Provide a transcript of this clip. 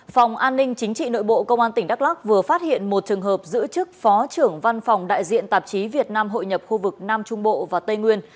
phòng an ninh chính trị nội bộ công an tỉnh đắk lắc vừa phát hiện một trường hợp giữ chức phó trưởng văn phòng đại diện tạp chí việt nam hội nhập khu vực nam trung bộ và tây nguyên